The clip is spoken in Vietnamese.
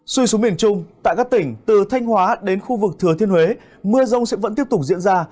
xui xuống miền trung tại các tỉnh từ thanh hóa đến khu vực thừa thiên huế mưa rông sẽ vẫn tiếp tục diễn ra